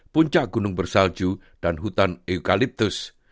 puncak gunung bersalju dan hutan eukaliptus